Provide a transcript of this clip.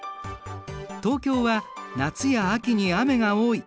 東京は夏や秋に雨が多い。